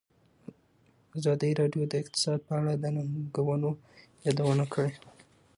ازادي راډیو د اقتصاد په اړه د ننګونو یادونه کړې.